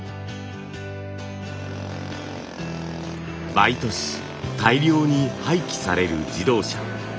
毎年大量に廃棄される自動車。